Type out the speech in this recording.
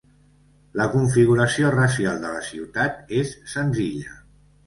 La configuració racial de la ciutat és senzilla.